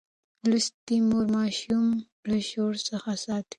لوستې مور ماشوم له شور څخه ساتي.